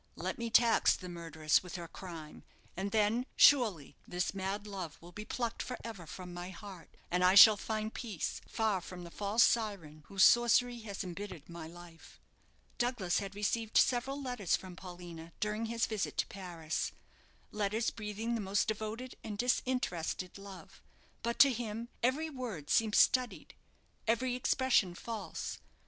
"Let me tax the murderess with her crime! and then, surely, this mad love will be plucked for ever from my heart, and I shall find peace far from the false syren whose sorcery has embittered my life." Douglas had received several letters from Paulina during his visit to Paris letters breathing the most devoted and disinterested love; but to him every word seemed studied, every expression false.